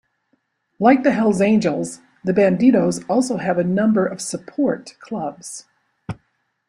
Like the Hells Angels, The Bandidos also have a number of "support" clubs.